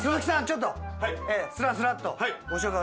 ちょっとすらすらっとご紹介